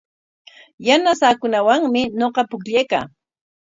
Yanasaakunawanmi ñuqa pukllaykaa.